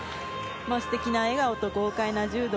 素敵な笑顔と、豪快な柔道。